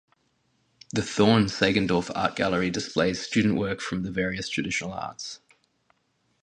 The Thorne-Sagendorph art gallery displays student work from the various traditional arts.